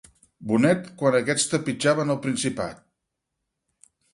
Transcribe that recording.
Bonet quan aquests trepitjaven el Principat.